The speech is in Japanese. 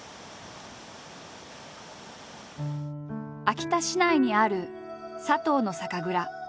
秋田市内にある佐藤の酒蔵。